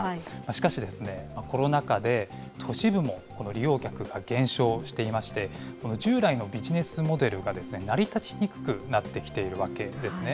しかしですね、コロナ禍で都市部も利用客が減少していまして、この従来のビジネスモデルが成り立ちにくくなってきているわけですね。